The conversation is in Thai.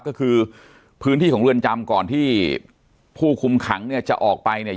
ก็คือพื้นที่ของเรือนจำก่อนที่ผู้คุมขังเนี่ยจะออกไปเนี่ย